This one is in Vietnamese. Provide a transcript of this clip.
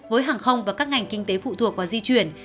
với hàng không và các ngành kinh tế phụ thuộc vào di chuyển